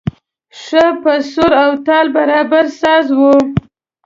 ښه په سور او تال برابر ساز و.